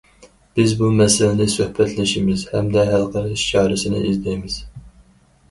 بىز بۇ مەسىلىنى سۆھبەتلىشىمىز ھەمدە ھەل قىلىش چارىسىنى ئىزدەيمىز.